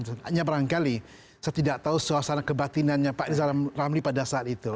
hanya barangkali saya tidak tahu suasana kebatinannya pak rizal ramli pada saat itu